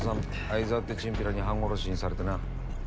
愛沢ってチンピラに半殺しにされてな。